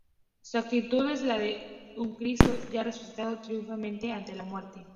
Su actitud es de la de un Cristo ya resucitado, triunfante ante la muerte.